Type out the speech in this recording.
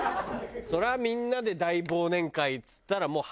それはみんなで大忘年会っつったら。